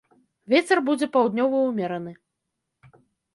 Вецер будзе паўднёвы ўмераны.